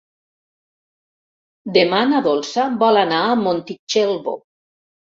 Demà na Dolça vol anar a Montitxelvo.